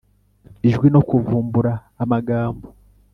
ijwi no kuvumbura amagambo